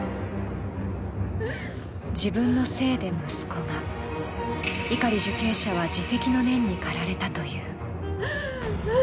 自分のせいで息子が碇受刑者は自責の念にかられたという。